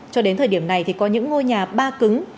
cho đến thời điểm này thì có những ngôi nhà ba cứng